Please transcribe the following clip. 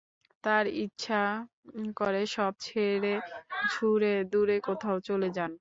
তাঁর ইচ্ছা করে সব ছেড়েছুড়ে দূরে কোথাও চলে যান।